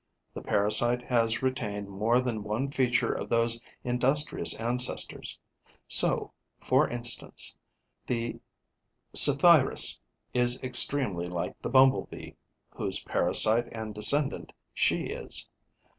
The parasite has retained more than one feature of those industrious ancestors. So, for instance, the Psithyrus is extremely like the Bumble bee, whose parasite and descendant she is.